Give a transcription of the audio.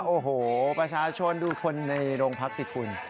โอ้โหประชาชนดูคนในโรงพักสิคุณ